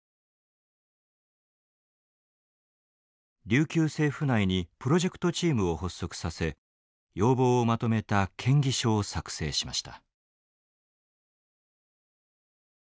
琉球政府内にプロジェクトチームを発足させ要望をまとめた建議書を作成しました。